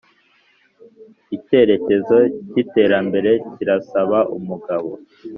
Ikerekezo k’iterambere kirasaba umugabo